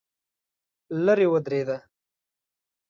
لرې ودرېده.